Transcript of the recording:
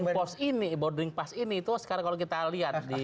nah mendapatkan boarding pass ini boarding pass ini itu sekarang kalau kita lihat